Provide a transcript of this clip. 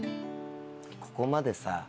ここまでさ